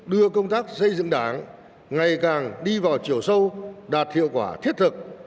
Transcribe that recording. đưa công tác xây dựng đảng ngày càng đi vào chiều sâu đạt hiệu quả thiết thực